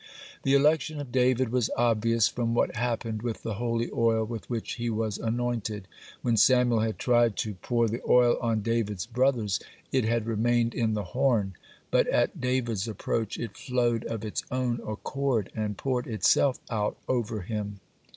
(21) The election of David was obvious from what happened with the holy oil with which he was anointed. (22) When Samuel had tried to pour the oil on David's brothers, it had remained in the horn, but at David's approach it flowed of its own accord, and poured itself out over him.